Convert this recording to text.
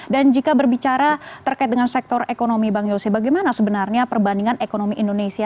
dan jika berbicara terkait dengan sektor ekonomi bang yose bagaimana sebenarnya perbandingan ekonomi indonesia